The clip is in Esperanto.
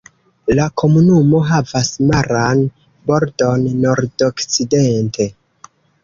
La komunumo havas maran bordon nordokcidente.